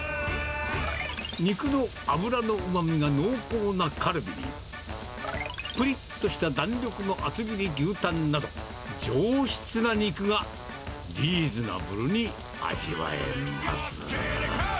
肉の脂のうまみが濃厚なカルビに、ぷりっとした弾力の厚切り牛タンなど、上質な肉がリーズナブルに味わえます。